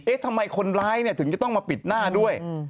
ทำไมคนร้ายเนี่ยถึงจะต้องมาปิดหน้าด้วย